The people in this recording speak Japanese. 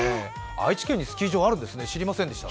愛知県にスキー場あるんですね、知りませんでした。